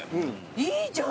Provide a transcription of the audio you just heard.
いいじゃん！